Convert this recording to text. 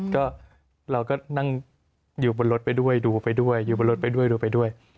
ก็เราก็นั่งอยู่บนรถไปด้วยดูไปด้วยอยู่บนรถไปด้วยดูไปด้วย